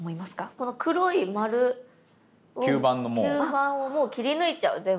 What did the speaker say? この黒い丸を吸盤をもう切り抜いちゃう全部。